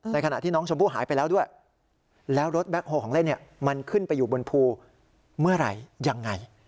ขณะที่น้องชมพู่หายไปแล้วด้วยแล้วรถแบ็คโฮของเล่นมันขึ้นไปอยู่บนภูเมื่อไหร่ยังไง